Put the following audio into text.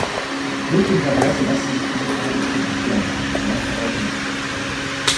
Möglicherweise lassen sich diese Fragen bis Mittag klären, vielleicht aber auch nicht.